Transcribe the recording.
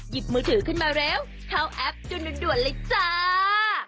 ดูถือขึ้นมาเร็วเข้าแอปจุดด่วนด่วนเลยจ้า